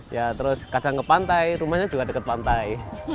ya terus kadang ke pantai rumahnya juga dekat pantai